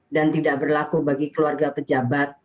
dan tidak berlaku bagi keluarga pejabat